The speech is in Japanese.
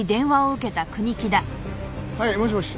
はいもしもし？